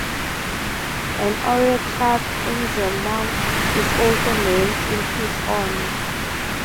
An aero club in Zemun is also named in his honour.